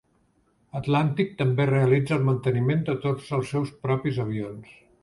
Atlantic també realitza el manteniment de tots els seus propis avions.